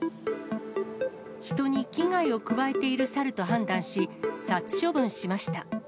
人に危害を加えているサルと判断し、殺処分しました。